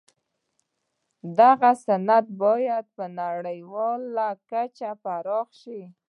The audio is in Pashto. دغه صنعت باید په نړیواله کچه پراخ شي